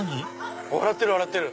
笑ってる笑ってる！